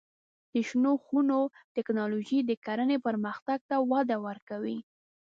د شنو خونو تکنالوژي د کرنې پرمختګ ته وده ورکوي.